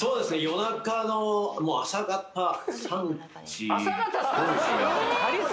夜中の朝方３時！